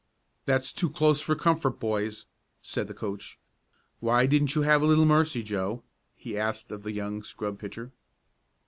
"That's too close for comfort, boys," said the coach. "Why didn't you have a little mercy, Joe?" he asked of the young scrub pitcher.